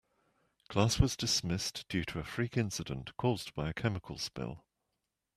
Class was dismissed due to a freak incident caused by a chemical spill.